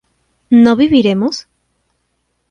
¿no viviremos?